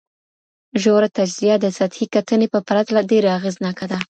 ژوره تجزیه د سطحي کتنې په پرتله ډېره اغېزناکه ده.